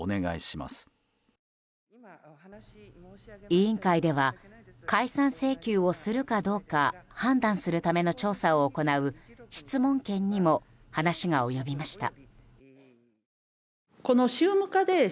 委員会では、解散請求をするかどうか判断するための調査を行う質問権にも話が及びました。